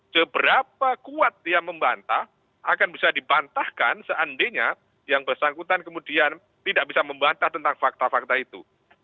seberapa kuat dia membantah akan bisa dibantahkan seandainya yang bersangkutan kemudian tidak bisa membantah tentang fakta fakta itu